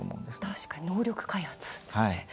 確かに能力開発ですね。